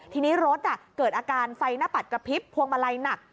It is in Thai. ทีนี้รถเกิดอาการไฟหน้าปัดกระพริบพวงมาลัยหนัก